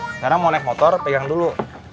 sekarang mau naik motor pegang dulu